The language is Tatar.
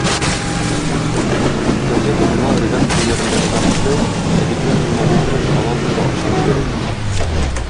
Газета-журнал редакцияләрендә озак эшләү әдипнең журналистлык талантын да ачып җибәрә.